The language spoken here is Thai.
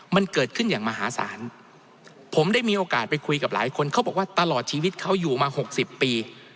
มันเกิดขึ้นอย่างมหาศาลผมได้มีโอกาสไปคุยกับหลายคนเขาบอกว่าตลอดชีวิตเขาอยู่มา๖๐ปี